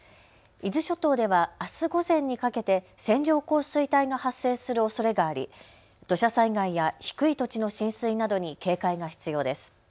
伊豆諸島ではあす午前にかけて線状降水帯が発生するおそれがあり土砂災害や低い土地の浸水などに警戒が必要です。